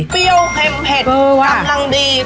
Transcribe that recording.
เปรี้ยวเค็มเผ็ดกำลังดี